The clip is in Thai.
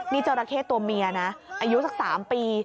นี่จราเข้ตัวเมียนะอายุสัก๓ปี